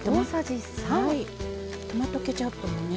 トマトケチャップもね